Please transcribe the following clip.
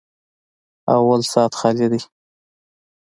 _اول سات خالي دی.